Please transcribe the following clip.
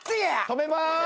止めます。